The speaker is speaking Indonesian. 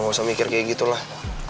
gak usah mikir kayak gitu lah